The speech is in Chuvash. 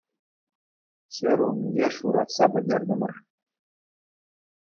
Ҫӗр улмие шуратса пӗтертӗмӗр.